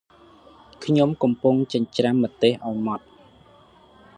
ខ្ញុំកំពុងចិញ្រ្ចាំម្ទេសអោយមត់ ។